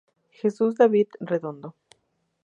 Jesus david redondo